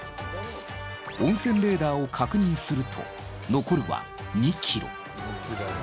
温泉レーダーを確認すると残るは２ｋｍ。